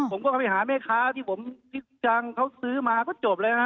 ผมก็ไปหาแม่ค้าที่ผมที่จังเขาซื้อมาก็จบเลยฮะ